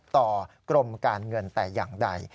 กรมการเงินแต่อย่างใด